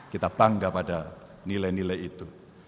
kita bangga pada nilai nilai itu